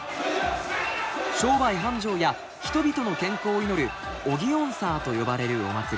商売繁盛や人々の健康を祈る「おぎおんさあ」と呼ばれるお祭りです。